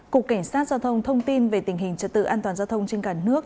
cục cảnh sát giao thông thông tin về tình hình trật tự an toàn giao thông trên cả nước